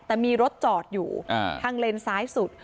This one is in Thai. แต่มีรถจอดอยู่ทางเลนซ้ายสุด